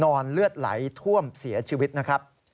เลือดไหลท่วมเสียชีวิตนะครับ